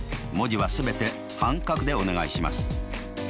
文字は全て半角でお願いします。